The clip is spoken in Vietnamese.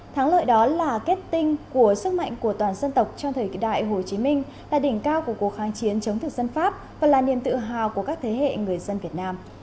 thắng lợi đó là kết tinh của sức mạnh của toàn dân tộc trong thời kỳ đại hồ chí minh là đỉnh cao của cuộc kháng chiến chống thực dân pháp và là niềm tự hào của các thế hệ người dân việt nam